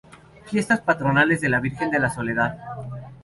Fiestas patronales de la Virgen de la Soledad.